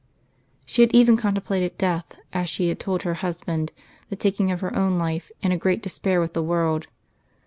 She had even contemplated death, as she had told her husband the taking of her own life, in a great despair with the world.